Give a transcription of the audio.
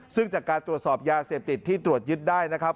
ซึ่งจากการตรวจสอบยาเสพติดที่ตรวจยึดได้นะครับ